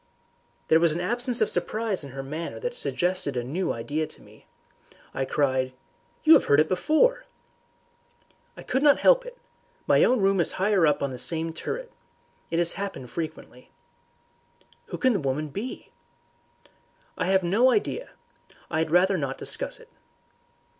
There was an absence of surprise in her manner which suggested a new idea to me. "You have heard it before," I cried. "I could not help it. My own room is higher up on the same turret. It has happened frequently." "Who can the woman be?" "I have no idea. I had rather not discuss it."